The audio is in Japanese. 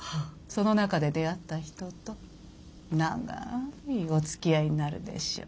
その中で出会った人と長いおつきあいになるでしょう。